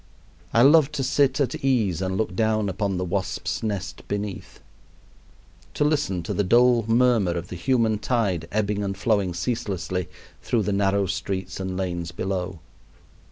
I love to "sit at ease and look down upon the wasps' nest beneath;" to listen to the dull murmur of the human tide ebbing and flowing ceaselessly through the narrow streets and lanes below.